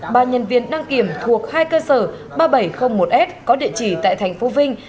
ba nhân viên năng kiểm thuộc hai cơ sở ba nghìn bảy trăm linh một s có địa chỉ tại thành phố vinh